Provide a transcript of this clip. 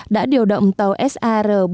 đã điều động tàu sar bốn trăm một mươi bốn